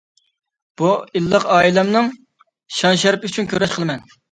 بۇ ئىللىق ئائىلەمنىڭ شان-شەرىپى ئۈچۈن كۈرەش قىلىمەن.